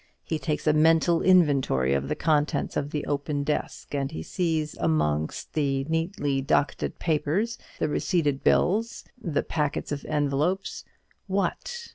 He takes a mental inventory of the contents of the open desk, and he sees amongst the neatly docketed papers, the receipted bills, and packets of envelopes what?